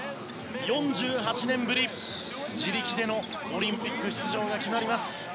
４８年ぶり自力でのオリンピック出場が決まります。